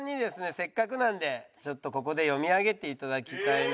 せっかくなんでちょっとここで読み上げて頂きたいな。